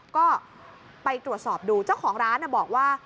ก็ไปตรวจสอบดูเจ้าของร้านบอกว่า